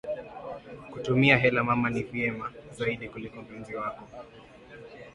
Kumutumia hela mama ni vema zaidi kuliko mpenzi wako